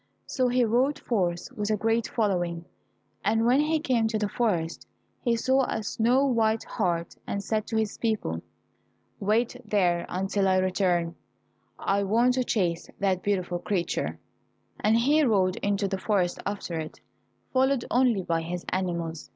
So he rode forth with a great following, and when he came to the forest, he saw a snow white hart and said to his people, "Wait here until I return, I want to chase that beautiful creature," and he rode into the forest after it, followed only by his animals.